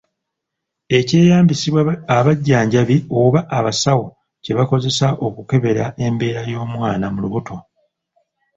Ekyeyambisibwa abajjanjabi oba abasawo kye bakozesa okukebera embeera y'omwana mu lubuto.